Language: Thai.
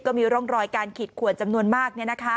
มีร่องรอยการขีดขวดจำนวนมาก